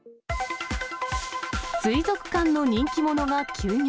水族館の人気者が休業。